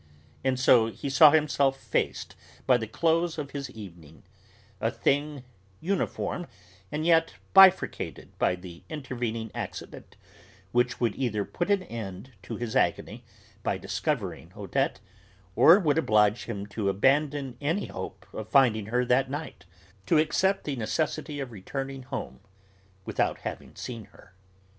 And so he saw himself faced by the close of his evening a thing uniform, and yet bifurcated by the intervening accident which would either put an end to his agony by discovering Odette, or would oblige him to abandon any hope of finding her that night, to accept the necessity of returning home without having seen her.